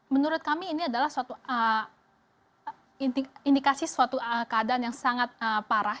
menurut kami ini adalah suatu indikasi suatu keadaan yang sangat parah